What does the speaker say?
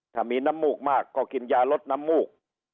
ถ้ามีน้ำมูกมากก็กินยาลดน้ำมูก